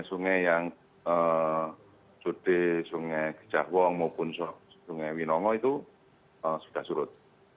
sungai yang sude sungai gejah wong maupun sungai winongo itu sudah surut